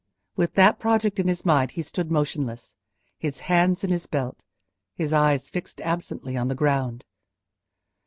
With that project in his mind he stood motionless—his hands in his belt, his eyes fixed absently on the ground.